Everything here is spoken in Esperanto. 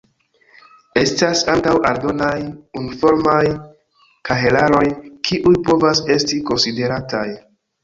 Estas ankaŭ aldonaj unuformaj kahelaroj, kiuj povas esti konsiderataj.